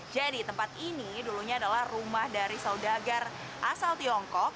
jadi tempat ini dulunya adalah rumah dari saudagar asal tiongkok